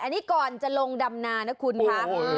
อันนี้ก่อนจะลงดำนานะคุณคะ